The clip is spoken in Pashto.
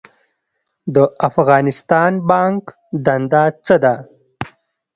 د افغانستان بانک دنده څه ده؟